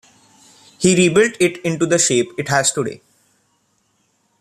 He rebuilt it into the shape it has today.